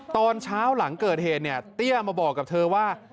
ตอนเช้าหลังเกิดเหตุเนี่ยเตี้ยมาบอกกับเธอว่า